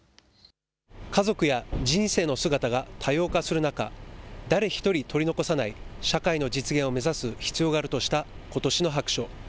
家族や人生の姿が多様化する中、誰一人取り残さない社会の実現を目指す必要があるとしたことしの白書。